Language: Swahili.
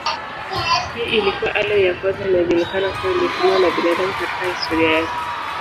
Hii ilikuwa aloi ya kwanza inayojulikana kuwa ilitumiwa na binadamu katika historia yake.